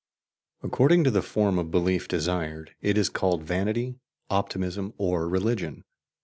According to the form of belief desired, it is called vanity, optimism, or religion.